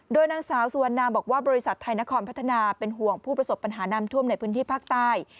โดยนางสาวสุวรรณาบอกว่าบริษัทไทยนครพัฒนาเป็นห่วงผู้ประสบปัญหาน้ำท่วมในพื้นที่ภาคใต้